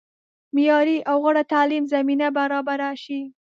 معیاري او غوره تعلیم زمینه برابره شي.